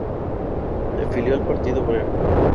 Se afilió al Partido Obrero.